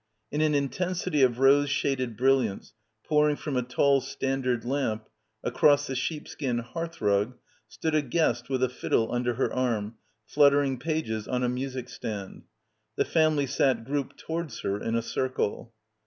In an intensity of rose shaded brilliance pour ing from a tall standard lamp across the sheep skin hearthrug stood a guest with a fiddle under her arm fluttering pages on a music stand. The family sat grouped towards her in a circle.